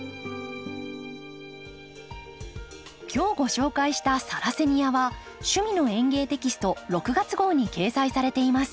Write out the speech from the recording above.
今日ご紹介した「サラセニア」は「趣味の園芸」テキスト６月号に掲載されています。